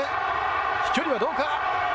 飛距離はどうか。